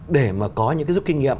để mà có những cái giúp kinh nghiệm